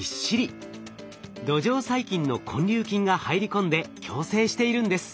土壌細菌の根粒菌が入り込んで共生しているんです。